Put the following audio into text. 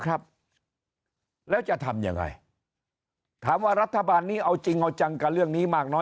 ครับแล้วจะทำยังไงถามว่ารัฐบาลนี้เอาจริงเอาจังกับเรื่องนี้มากน้อย